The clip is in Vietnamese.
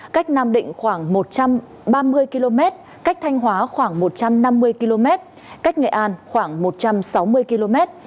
cách nam định khoảng một trăm ba mươi km cách thanh hóa khoảng một trăm năm mươi km cách nghệ an khoảng một trăm sáu mươi km